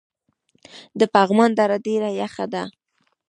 د پغمان دره ډیره یخه ده